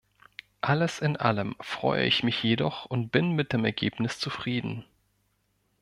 Alles in allem freue ich mich jedoch und bin mit dem Ergebnis zufrieden.